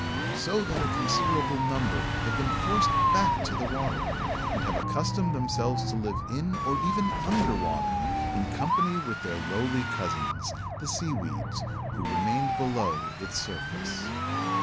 So that a considerable number have been forced back to the water, and have accustomed themselves to live in or even under water in company with their lowly cousins, the seaweeds, who remained below its surface.